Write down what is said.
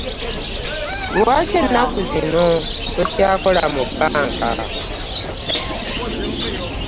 Lwaki ennaku zino tokyakola mu bbanka?